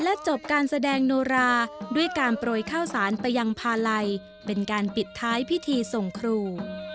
และจบการแสดงโนราด้วยการปล่อยข้าวศาลประยังภาลัยเป็นการปิดท้ายพิธีทรงครู